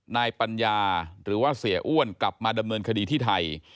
นายปัญญาหรือว่าเสียอ้วนกลับมาดำเนินคดีที่ไทย